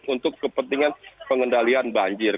untuk kepentingan pengendalian banjir